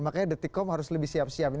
makanya detik kom harus lebih cepat